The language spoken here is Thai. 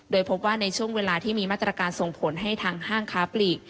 โดยพบว่าในช่วงเวลาที่มีมาตรการส่งผลให้ทางห้างค้าปลีก